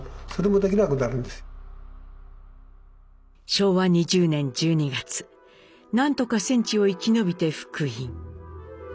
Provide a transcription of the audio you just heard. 昭和２０年１２月何とか戦地を生き延びて復員。